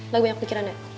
lagi banyak pikiran ya